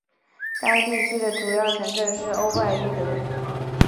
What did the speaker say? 该地区的主要城镇是欧拜伊德。